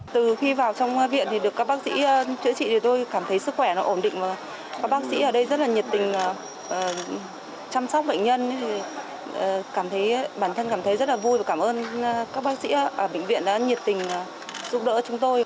từ khi vào trong viện được các bác sĩ chữa trị thì tôi cảm thấy sức khỏe ổn định các bác sĩ ở đây rất nhiệt tình chăm sóc bệnh nhân bản thân cảm thấy rất vui và cảm ơn các bác sĩ ở bệnh viện đã nhiệt tình giúp đỡ chúng tôi